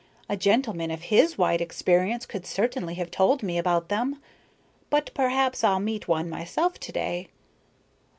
A gentleman of his wide experience could certainly have told me about them. But perhaps I'll meet one myself to day."